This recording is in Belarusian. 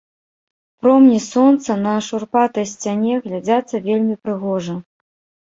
Промні сонца на шурпатай сцяне глядзяцца вельмі прыгожа.